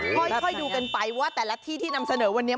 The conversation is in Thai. ค่อยดูกันไปว่าแต่ละที่ที่นำเสนอวันนี้